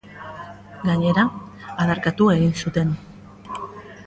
Gainera, adarkatu egin zuten.